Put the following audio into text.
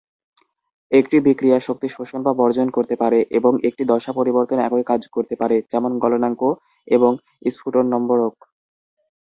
একটি বিক্রিয়া শক্তি শোষণ বা বর্জন করতে পারে, এবং একটি দশা পরিবর্তন একই কাজ করতে পারে, যেমন গলনাঙ্ক এবং স্ফুটনম্বরক।